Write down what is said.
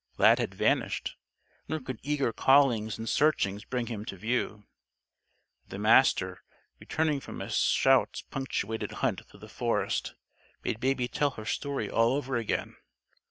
Lad had vanished. Nor could eager callings and searchings bring him to view. The Master, returning from a shout punctuated hunt through the forest, made Baby tell her story all over again.